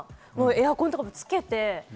エアコンとかつけて。